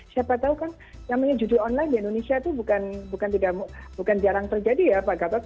siapa tahu kan namanya judi online di indonesia itu bukan jarang terjadi ya pak gatot